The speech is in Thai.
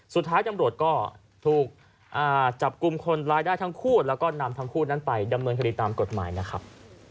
สุดท้ายจำรวจก็ถูกจับกลุ่มคนรายได้ทั้งคู่และนำทั้งคู่ไปดำเนินคดีตามกฎหมายนะครับ